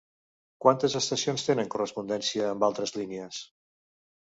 Quantes estacions tenen correspondència amb altres línies?